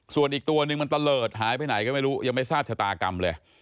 ส่วนอีกตัวนึงมันตะเลิศหายไปไหนก็ไม่รู้ยังไม่ทราบชะตากรรมเลย